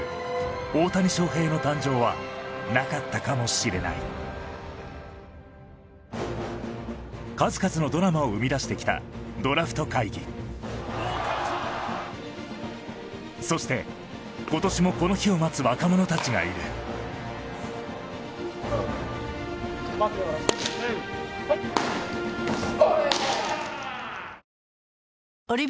大谷翔平の誕生はなかったかもしれない数々のドラマを生みだしてきたドラフト会議そして今年もこの日を待つ若者たちがいるキユーピーマヨネーズは卵の黄身をたっぷり使っています。